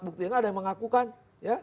bukti yang ada yang mengakukan ya